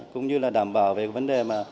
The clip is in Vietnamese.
cũng như đảm bảo về vấn đề